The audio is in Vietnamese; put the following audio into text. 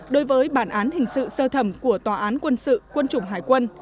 đối với bản án hình sự sơ thẩm của tòa án quân sự quân chủng hải quân